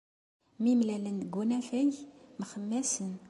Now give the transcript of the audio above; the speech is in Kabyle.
Mi mlalen deg unafag, mxemmasen.